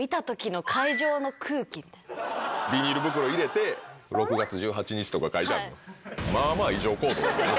ビニール袋入れて「６月１８日」とか書いてあるの？